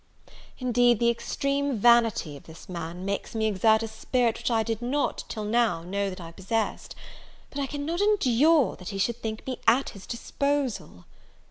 Indeed, the extreme vanity of this man, makes me exert a spirit which I did not, till now, know that I possessed: but I cannot endure that he should think me at his disposal.